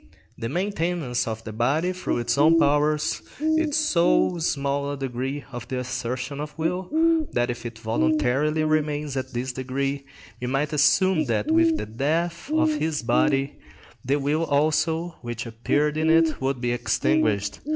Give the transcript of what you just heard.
The maintenance of the body through its own powers is so small a degree of the assertion of will, that if it voluntarily remains at this degree, we might assume that, with the death of this body, the will also which appeared in it would be extinguished.